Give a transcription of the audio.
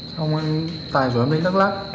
xong tài rủ em đến đắk lắc